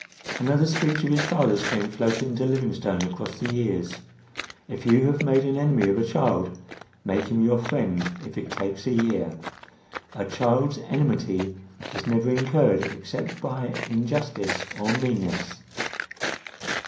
Another speech of his father's came floating to Livingstone across the years: "If you have made an enemy of a child, make him your friend if it takes a year! A child's enmity is never incurred except by injustice or meanness."